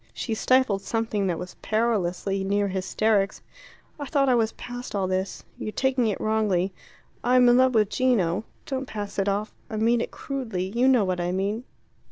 She stifled something that was perilously near hysterics. "I thought I was past all this. You're taking it wrongly. I'm in love with Gino don't pass it off I mean it crudely you know what I mean.